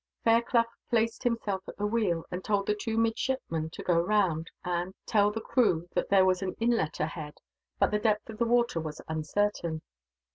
Fairclough placed himself at the wheel, and told the two midshipmen to go round, and tell the crew that there was an inlet ahead, but the depth of the water was uncertain.